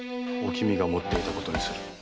おきみが持っていたことにする。